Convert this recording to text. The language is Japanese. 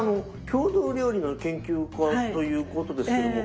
郷土料理の研究家ということですけども。